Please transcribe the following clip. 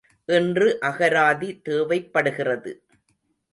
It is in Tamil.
இன்று அகராதி தேவைப்படுகிறது.